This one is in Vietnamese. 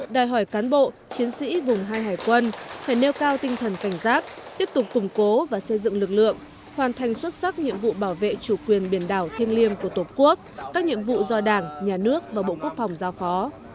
đòi hỏi cán bộ chiến sĩ vùng hai hải quân phải nêu cao tinh thần cảnh giác tiếp tục củng cố và xây dựng lực lượng hoàn thành xuất sắc nhiệm vụ bảo vệ chủ quyền biển đảo thiêng liêng của tổ quốc các nhiệm vụ do đảng nhà nước và bộ quốc phòng giao phó